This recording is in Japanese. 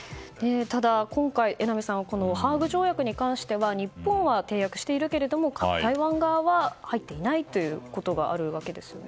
ただ今回ハーグ条約に関して日本は締約しているけれども台湾がうぁ入っていないということがあるわけですよね。